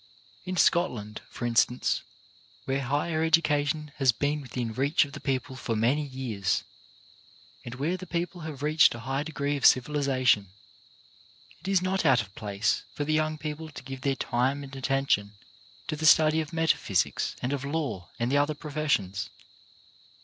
In Scotland, for instance, where higher educa tion has been within reach of the people for many years, and where the people have reached a high degree of civilization, it is not out of place for the young people to give their time and attention to the study of metaphysics and of law and the other professions.